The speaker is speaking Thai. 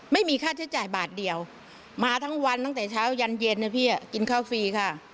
ไม่มีค่าใช้จ่ายบาทเดียวมาทั้งวันตั้งแต่เช้ายันเย็นนะพี่กินข้าวฟรีค่ะ